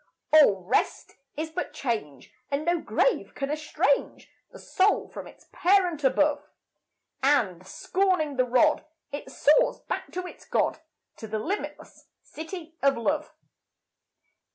All rest is but change, and no grave can estrange The soul from its Parent above; And, scorning the rod, it soars back to its God, To the limitless City of Love.